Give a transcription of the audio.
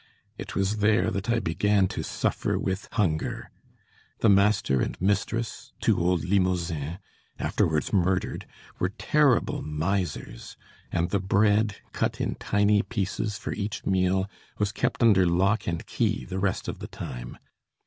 It was there that I began to suffer with hunger. The master and mistress, two old Limousins afterwards murdered, were terrible misers, and the bread, cut in tiny pieces for each meal, was kept under lock and key the rest of the time.